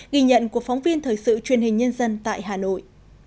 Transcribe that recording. ghi nhận của phóng viên thời sự truyền hình nhân dân tại hà nội